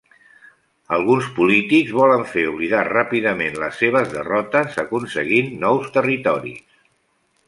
Alguns polítics volen fer oblidar ràpidament les seves derrotes aconseguint nous territoris.